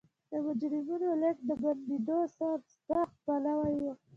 د مجرمینو لېږد د بندېدو سرسخت پلوی و.